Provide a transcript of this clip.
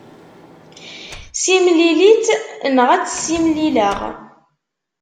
Simlil-itt neɣ ad tt-simlileɣ.